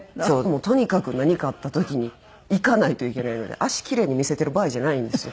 もうとにかく何かあった時に行かないといけないので足キレイに見せてる場合じゃないんですよ。